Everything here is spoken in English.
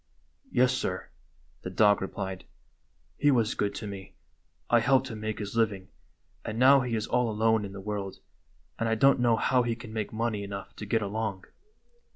" Yes, sir," the dog replied. " He was good to me; I helped him make his living, and now he is all alone in the world, and I don't know how he can make money enough to get along."